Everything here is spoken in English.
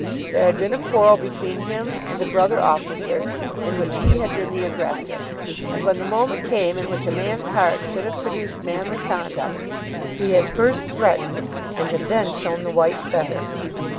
There had been a quarrel between him and a brother officer, in which he had been the aggressor; and, when the moment came in which a man's heart should have produced manly conduct, he had first threatened and had then shown the white feather.